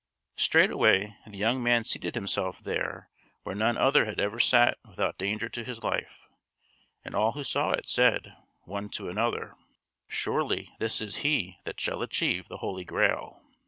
Straightway the young man seated himself there where none other had ever sat without danger to his life; and all who saw it said, one to another: "Surely this is he that shall achieve the Holy Grail."